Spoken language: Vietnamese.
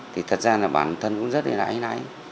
thì thật ra là bản thân cũng rất là nãi nãi